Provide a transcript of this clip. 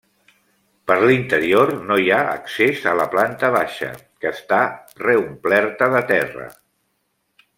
Per l'interior no hi ha accés a la planta baixa, que està reomplerta de terra.